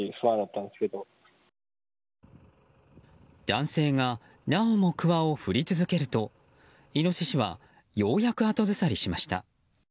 男性が、なおもくわを振り続けるとイノシシはようやく後ずさりしました。